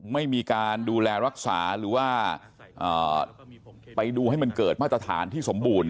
ไม่มีการดูแลรักษาหรือว่าไปดูให้มันเกิดมาตรฐานที่สมบูรณ